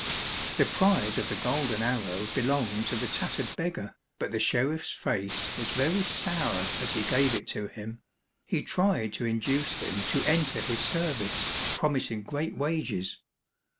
The prize of the golden arrow belonged to the tattered beggar, but the sheriff's face was very sour as he gave it to him. He tried to induce him to enter his service, promising great wages.